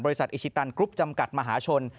อิชิตันกรุ๊ปจำกัดมหาชน